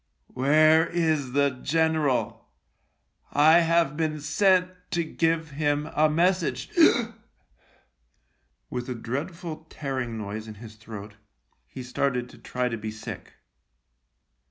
" Where THE LIEUTENANT 53 is the general ? I have been sent to give him a message." With a dreadful tearing noise in his throat, he started to try to be sick.